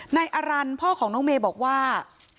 ในอารันทร์พ่อของน้องเมบอกว่า